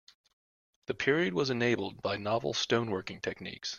The period was enabled by novel stone working techniques.